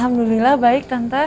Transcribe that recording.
alhamdulillah baik tante